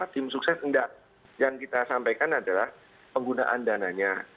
tim sukses enggak yang kita sampaikan adalah penggunaan dananya